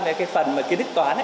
nên cái phần ký thức toán